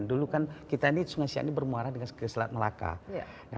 dulu kan kita ini sungai siak ini bermuara dengan selat melaka